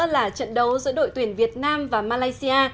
là trận đấu giữa đội tuyển việt nam và malaysia